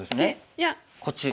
いや。こっち？